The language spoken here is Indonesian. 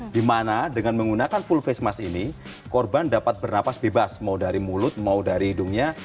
dimana dengan menggunakan full facemas ini korban dapat bernapas bebas mau dari mulut mau dari hidungnya